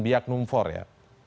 biak numfor ya